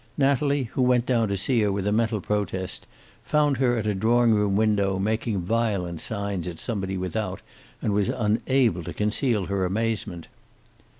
Natalie, who went down to see her with a mental protest, found her at a drawing room window, making violent signals at somebody without, and was unable to conceal her amazement.